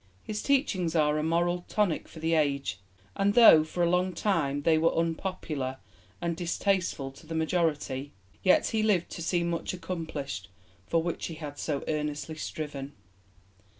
His teachings are a moral tonic for the age, and though for a long time they were unpopular and distasteful to the majority, yet he lived to see much accomplished for which he had so earnestly striven.